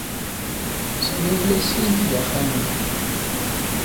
Sami yella yessizdig axxam-nni.